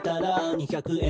「２００円